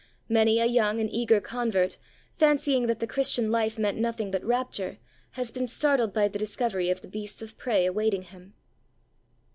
Many a young and eager convert, fancying that the Christian life meant nothing but rapture, has been startled by the discovery of the beasts of prey awaiting him.